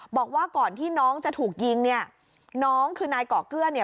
บอกว่าก่อนที่น้องจะถูกยิงเนี่ยน้องคือนายก่อเกื้อเนี่ย